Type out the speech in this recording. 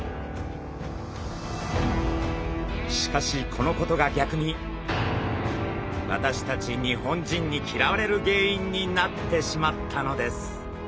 しかしこのことが逆に私たち日本人に嫌われる原因になってしまったのです。